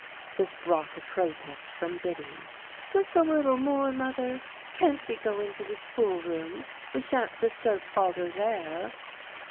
This brought a protest from Biddy. "Just a little more, mother! Can't we go into the schoolroom? We shan't disturb father there."